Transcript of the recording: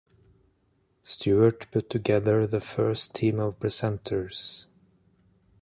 Stewart put together the first team of presenters.